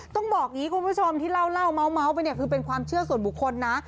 ต้องบอกอย่างนี้คุณผู้ชมที่เล่าเมาส์ไปเนี่ยคือเป็นความเชื่อส่วนบุคคลนะ